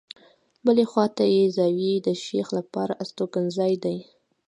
بلې خواته یې د زاویې د شیخ لپاره استوګنځای دی.